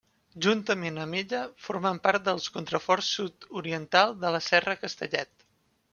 Juntament amb ella formen part dels contraforts sud-oriental de la Serra de Castellet.